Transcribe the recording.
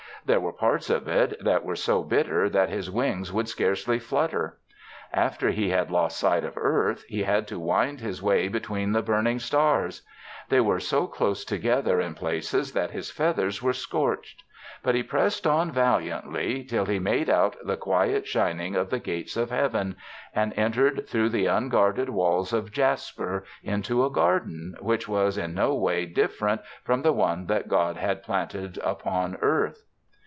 There were parts of it that were so bitter that his wings would scarcely flutter. After he had lost sight of earth, he had to wind his way between the burning stars; they were so close together in places that his feathers were scorched. But he pressed on valiantly till he made out the quiet shining of the gates of Heaven and entered through the unguarded walls of jasper into a garden, which was in no way different from the one that God had planted upon earth.